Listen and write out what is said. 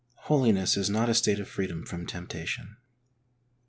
Holiness is not a state of freedom from temp tation.